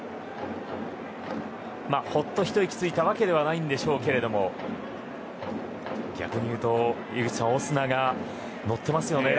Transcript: ほっとひと息ついたわけではないでしょうが逆にいうと、井口さんオスナが乗ってますね。